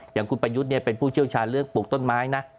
อย่างคุณประยุทธ์เป็นผู้เชี่ยวชาญเรื่องปลูกต้นไม้นะ